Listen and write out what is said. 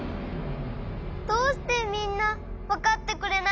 どうしてみんなわかってくれないの！？